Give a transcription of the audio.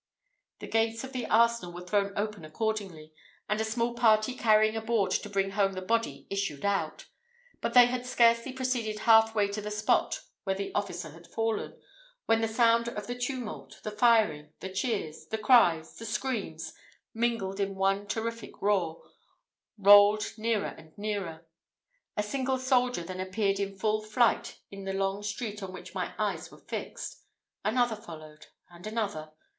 The gates of the arsenal were thrown open accordingly, and a small party carrying a board to bring home the body issued out; but they had scarcely proceeded half way to the spot where the officer had fallen, when the sound of the tumult, the firing, the cheers, the cries, the screams, mingled in one terrific roar, rolled nearer and nearer. A single soldier then appeared in full flight in the long street on which my eyes were fixed; another followed, and another.